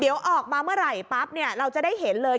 เดี๋ยวออกมาเมื่อไหร่เราจะได้เห็นเลย